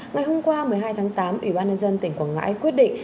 ngày hôm qua một mươi hai tháng tám ủy ban nhân dân tỉnh quảng ngãi quyết định